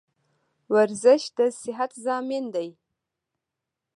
ورزش دصیحت زامین ده